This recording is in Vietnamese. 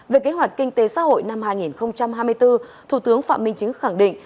về kế hoạch kinh tế xã hội năm hai nghìn hai mươi bốn thủ tướng phạm minh chính khẳng định